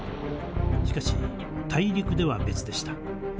しかし大陸では別でした。